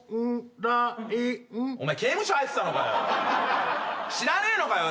刑務所入ってたのかよ